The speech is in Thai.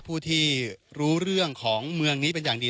ผู้ที่รู้เรื่องของเมืองนี้เป็นอย่างดี